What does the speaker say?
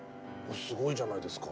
すごいじゃないですか。